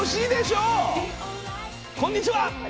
こんにちは。